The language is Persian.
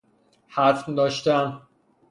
حتم داشتن